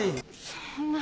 そんな。